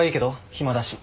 暇だし。